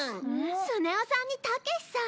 スネ夫さんにたけしさん。